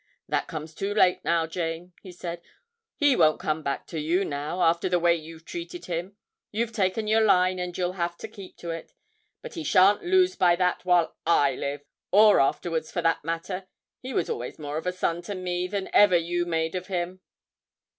'That comes too late now, Jane,' he said; 'he won't come back to you now, after the way you've treated him. You've taken your line, and you'll have to keep to it. But he shan't lose by that while I live or afterwards, for that matter he was always more of a son to me than ever you made of him!'